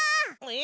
え？